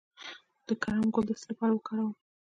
د کرم ګل د څه لپاره وکاروم؟